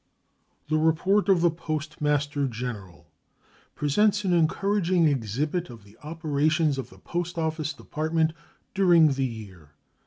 The report of the Postmaster General presents an encouraging exhibit of the operations of the Post Office Department during the year.